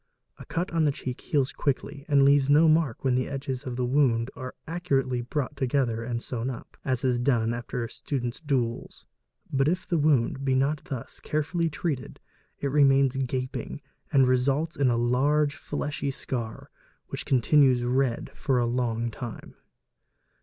A cut on the cheek heals quickly and leaves no mark when the edges of the wound are accurately brought together and sewn up, as is done after students' duels. But if the wound be not thus carefully treated, it remains gaping and _ results in a large fleshy scar, which continues red for a long time.